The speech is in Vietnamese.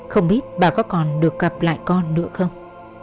không biết bà có còn được gặp lại con nữa không